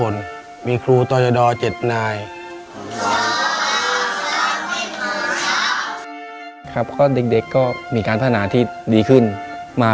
ในแคมเปญพิเศษเกมต่อชีวิตโรงเรียนของหนู